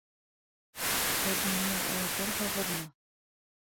— Һеҙ мине оноторһоғоҙмо?